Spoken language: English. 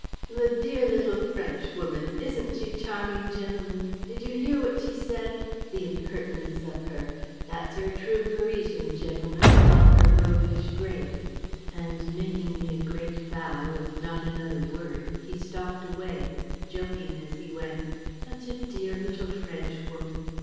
"'The dear little Frenchwoman! Isn't she charming, gentlemen? Did you hear what she said? The impertinence of her! There's your true Parisian, gentlemen, with all her roguish grace.' "And, making me a great bow, with not another word, he stalked away, joking as he went: "'Such a dear little Frenchwoman!